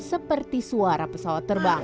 seperti suara pesawat terbang